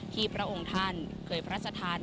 พระองค์ท่านเคยพระราชทาน